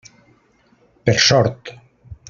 Per sort.